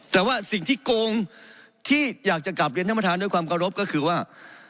แต่ว่าสิ่งที่โกงที่อยากจะกลับเรียนท่านประธานด้วยความเคารพก็คือว่า